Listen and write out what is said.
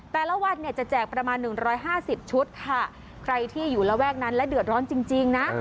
แต่ละวันเนี่ยจะแจกประมาณหนึ่งร้อยห้าสิบชุดค่ะใครที่อยู่ระแวกนั้นและเดือดร้อนจริงนะ